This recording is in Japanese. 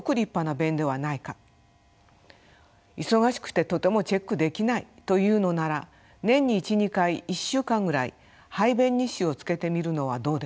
忙しくてとてもチェックできないというのなら年に１２回１週間ぐらい排便日誌をつけてみるのはどうでしょうか。